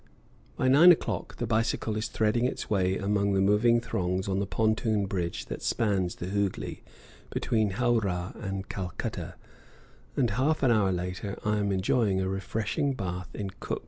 By nine o'clock the bicycle is threading its way among the moving throngs on the pontoon bridge that spans the Hooghli between Howrah and Calcutta, and half an hour later I am enjoying a refreshing bath in Cook's Adelphi Hotel.